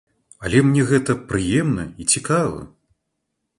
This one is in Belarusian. Але мне гэта прыемна і цікава!